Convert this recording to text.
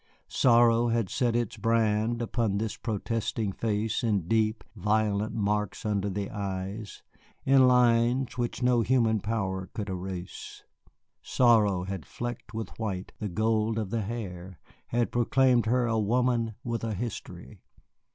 Sorrow had set its brand upon this protesting face in deep, violet marks under the eyes, in lines which no human power could erase: sorrow had flecked with white the gold of the hair, had proclaimed her a woman with a history.